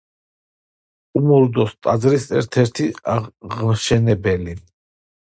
კუმურდოს ტაძრის ერთ-ერთი აღმშენებელი.